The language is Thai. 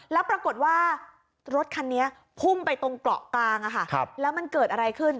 แล้วปรากฏว่ารถคันนี้พุ่งไปตรงเกาะกลางแล้วมันเกิดอะไรขึ้น